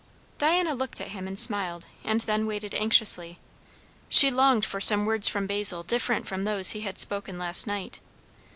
Diana looked at him and smiled, and then waited anxiously. She longed for some words from Basil different from those he had spoken last night.